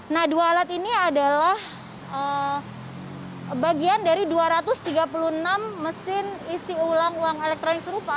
nah dua alat ini adalah bagian dari dua ratus tiga puluh enam mesin isi ulang uang elektronik serupa